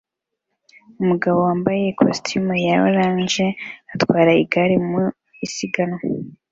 Umugabo wambaye ikositimu ya orange atwara igare mu isiganwa